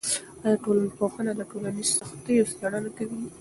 آیا ټولنپوهنه د ټولنیزو سختیو څیړنه کوي؟